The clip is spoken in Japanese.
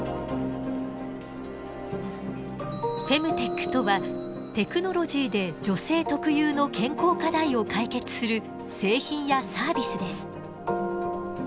フェムテックとはテクノロジーで女性特有の健康課題を解決する製品やサービスです。